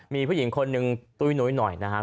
มีผู้หญิงคนหนึ่งตุ้ยนุ้ยหน่อยนะครับ